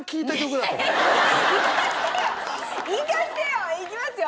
いかせてよ！いきますよ！